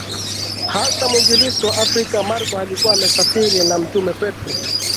hasa mwinjilisti wa Afrika Marko alikuwa amesafiri na Mtume Petro